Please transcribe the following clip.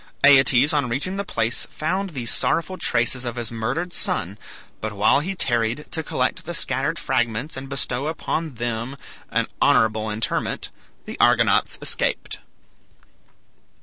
Aeetes on reaching the place found these sorrowful traces of his murdered son; but while he tarried to collect the scattered fragments and bestow upon them an honorable interment, the Argonauts escaped.